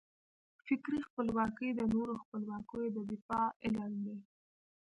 فکري خپلواکي د نورو خپلواکیو د دفاع علم دی.